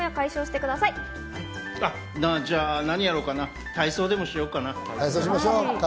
じゃあ何やろうかな、体操でもしようかな。